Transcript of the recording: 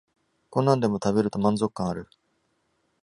こんなんでも食べると満足感ある